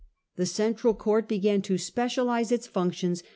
The Central Court began to specialize its functions?